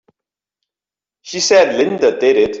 She said Linda did it!